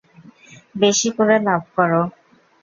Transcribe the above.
বেশি করে লাভ করো।